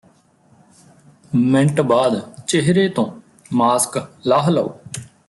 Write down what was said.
minute ਬਾਅਦ ਚਿਹਰੇ ਤੋਂ ਮਾਸਕ ਲਾਹ ਲਓ